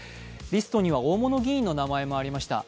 リストには、大物議員の名前もありました。